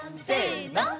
せの！